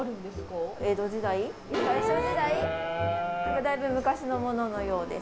だいぶ昔のもののようです。